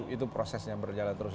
itu prosesnya berjalan terus